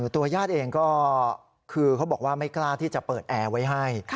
ญาติเองก็คือเขาบอกว่าไม่กล้าที่จะเปิดแอร์ไว้ให้